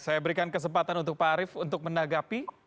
saya berikan kesempatan untuk pak arief untuk menanggapi